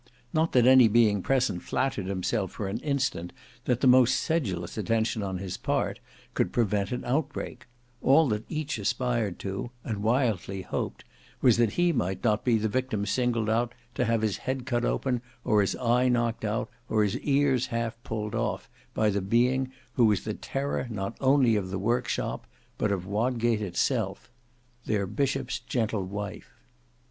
Not that any being present flattered himself for an instant that the most sedulous attention on his part could prevent an outbreak; all that each aspired to, and wildly hoped, was that he might not be the victim singled out to have his head cut open, or his eye knocked out, or his ears half pulled off by the being who was the terror not only of the workshop, but of Wodgate itself,—their bishop's gentle wife.